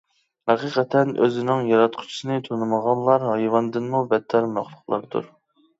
ھەقىقەتەن، ئۆزىنىڭ ياراتقۇچىسىنى تونۇمىغانلار ھايۋاندىنمۇ بەتتەر مەخلۇقلاردۇر.